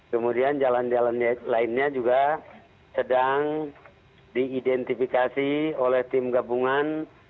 kemudian jalan jalan lainnya juga sedang diidentifikasi oleh tim gabungan